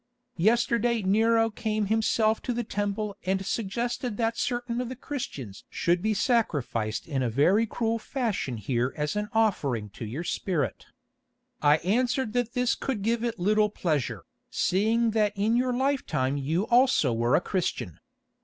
Yesterday Nero came himself to the temple and suggested that certain of the Christians should be sacrificed in a very cruel fashion here as an offering to your spirit. I answered that this could give it little pleasure, seeing that in your lifetime you also were a Christian.